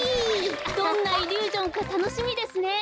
どんなイリュージョンかたのしみですね。